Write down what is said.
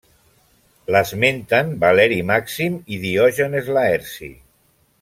L'esmenten Valeri Màxim i Diògenes Laerci.